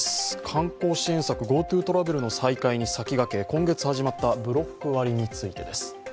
観光支援策、ＧｏＴｏトラベルの再開に先駆け、今月、始まったブロック割についてです。